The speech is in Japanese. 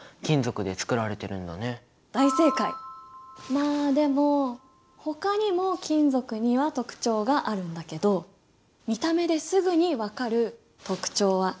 まあでもほかにも金属には特徴があるんだけど見た目ですぐに分かる特徴は何かな？